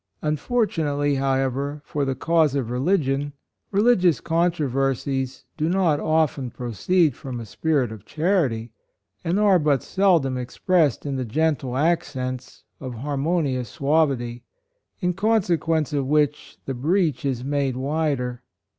Unfortunately, however, for the cause of religion, religious contro OF RELIGION. 135 versies do not often proceed from a spirit of charity, and are but sel dom expressed in the gentle accents of harmonious suavity, in conse quence of which the breach is made wider.